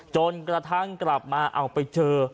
จนกระทั่งกลับมาเอาไปเจอ